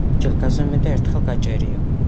ასჯერ გაზომე და ერთხელ გაჭერიო